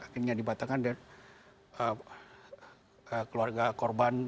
akhirnya dibatalkan dari keluarga korban